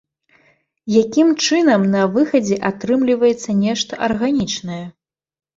Якім чынам на выхадзе атрымліваецца нешта арганічнае?